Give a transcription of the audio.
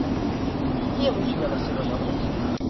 Qui elogia les seves obres?